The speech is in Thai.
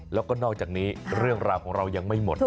แล้วก็นอกจากนี้เรื่องราวของเรายังไม่หมด